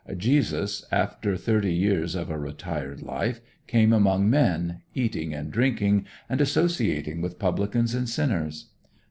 Jesus, after thirty years of a retired life, came among men "eating and drinking," and associating with "publicans and sinners."